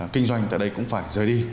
kinh doanh tại đây cũng phải rời đi